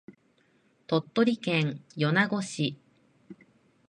鳥取県米子市